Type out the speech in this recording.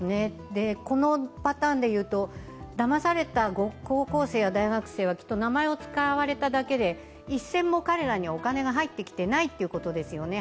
このパターンで言うとだまされた高校生や大学生はきっと名前を使われただけで一銭も彼らにはお金が入ってきていないということですよね。